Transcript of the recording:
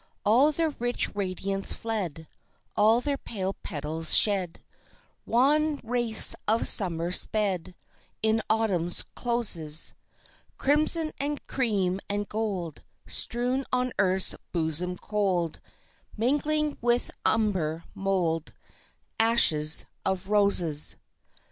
All their rich radiance fled, All their pale petals shed, Wan wraiths of Summer sped, In Autumn's closes; Crimson and cream and gold Strewn on earth's bosom cold, Mingling with umber mold Ashes of roses.